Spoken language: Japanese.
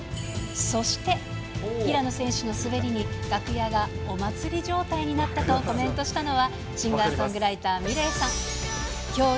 そして平野選手の滑りに、楽屋がお祭り状態になったとコメントしたのは、シンガーソングライター、ｍｉｌｅｔさん。